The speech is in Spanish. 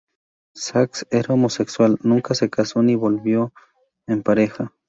Sacks era homosexual, nunca se casó ni vivió en pareja.